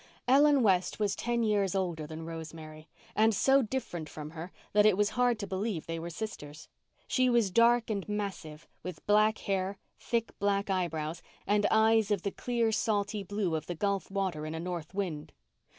Ellen West was ten years older than Rosemary, and so different from her that it was hard to believe they were sisters. She was dark and massive, with black hair, thick, black eyebrows and eyes of the clear, slaty blue of the gulf water in a north wind.